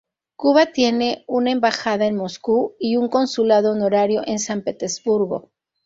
Cuba tiene una embajada en Moscú y un consulado honorario en San Petersburgo.